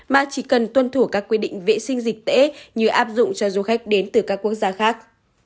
mà chỉ cần tuân thủ các quy định vệ sinh dịch tễ như áp dụng cho du khách đến từ các quốc gia khác